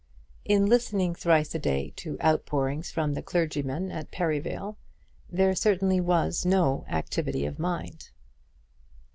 In listening thrice a day to outpourings from the clergymen at Perivale, there certainly was no activity of mind.